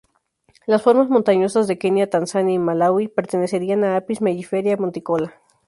Las formas montañosas de Kenia, Tanzania y Malaui pertenecerían a "Apis mellifera monticola".